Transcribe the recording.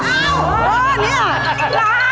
อ้าว